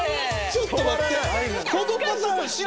ちょっと待って。